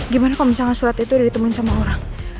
gimana kalo misalnya surat itu udah ditemuin sama orang